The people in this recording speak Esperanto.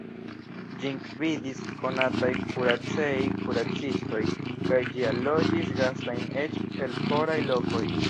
Ĝin gvidis konataj kuracej-kuracistoj kaj ĝi allogis gastojn eĉ el foraj lokoj.